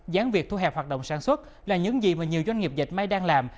gián việc thu hẹp hoạt động sản xuất là những gì mà nhiều doanh nghiệp dệt may đang làm